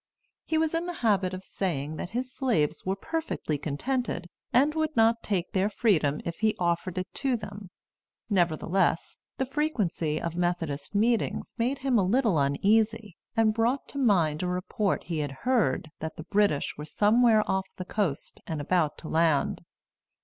He was in the habit of saying that his slaves were perfectly contented, and would not take their freedom if he offered it to them; nevertheless the frequency of Methodist meetings made him a little uneasy, and brought to mind a report he had heard, that the British were somewhere off the coast and about to land.